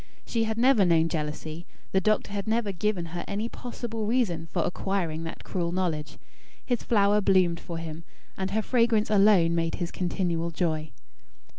She had never known jealousy; the doctor had never given her any possible reason for acquiring that cruel knowledge. His Flower bloomed for him; and her fragrance alone made his continual joy.